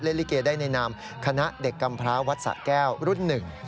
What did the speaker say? ลิเกได้ในนามคณะเด็กกำพร้าวัดสะแก้วรุ่นหนึ่ง